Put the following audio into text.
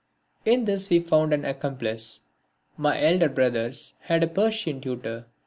In this we found an accomplice. My elder brothers had a Persian tutor.